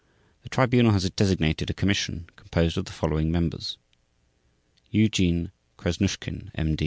The Tribunal has designated a commission composed of the following members: Eugene Krasnushkin, M.